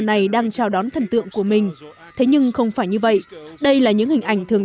này đang chào đón thần tượng của mình thế nhưng không phải như vậy đây là những hình ảnh thường